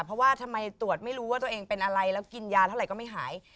เพราะว่าทำไมตรวจไม่รู้ว่าตัวเองเป็นอะไรแล้วกินยาเท่าไหร่ก็ไม่หาย